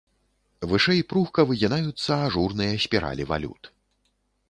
Вышэй пругка выгінаюцца ажурныя спіралі валют.